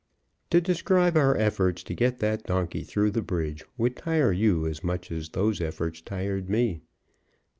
To describe our efforts to get that donkey through the bridge would tire you as much as those efforts tired me.